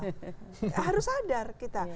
harus sadar kita